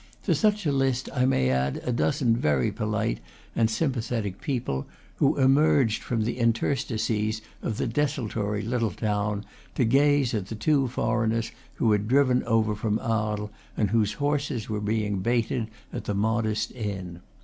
To such a list I may add a dozen very polite and sympathetic people, who emerged from the interstices of the desultory little town to gaze at the two foreigners who had driven over from Arles, and whose horses were being baited at the modest inn.